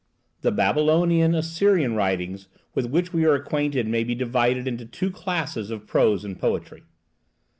The Babylonian Assyrian writings with which we are acquainted may be divided into the two classes of prose and poetry.